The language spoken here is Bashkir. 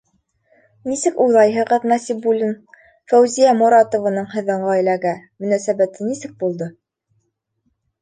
Нисек уйлайһығыҙ, Насибуллин: Фәүзиә Моратованың һеҙҙең ғаиләгә мөнәсәбәте нисек булды?